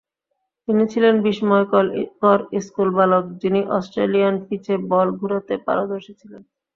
তিনি ছিলেন বিষ্ময়কর স্কুলবালক যিনি অস্ট্রেলিয়ান পিচে বল ঘুরাতে পারদর্শী ছিলেন"।